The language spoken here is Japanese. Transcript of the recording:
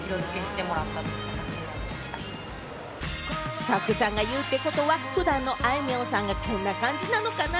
スタッフさんが言うってことは、普段のあいみょんさんも、こんな感じなのかな？